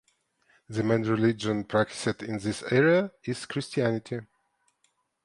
The main religion practiced in this area is Christianity.